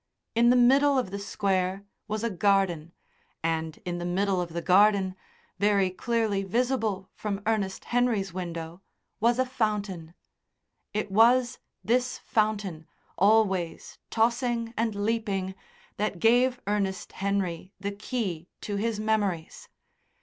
In the middle of the Square was a garden, and in the middle of the garden, very clearly visible from Ernest Henry's window, was a fountain. It was this fountain, always tossing and leaping, that gave Ernest Henry the key to his memories.